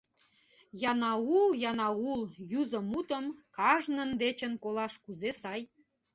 «Янаул, Янаул…» юзо мутым Кажнын дечын колаш кузе сай!